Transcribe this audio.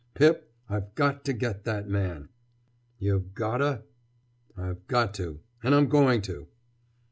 "Pip, I've got to get that man!" "You've got 'o?" "I've got to, and I'm going to!"